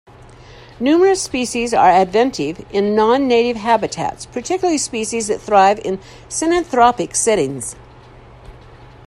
Numerous species are adventive in non-native habitats, particularly species that thrive in synanthropic settings.